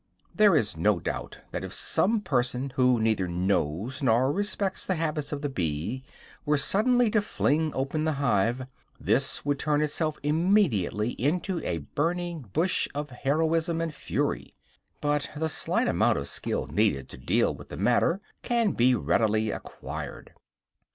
There is no doubt that if some person, who neither knows nor respects the habits of the bee, were suddenly to fling open the hive, this would turn itself immediately into a burning bush of heroism and fury; but the slight amount of skill needed to deal with the matter can be readily acquired.